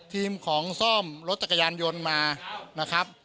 ทีมของซ่อมรถจักรยานยนต์มานะครับ